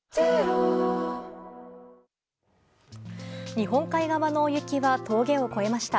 日本海側の大雪は峠を越えました。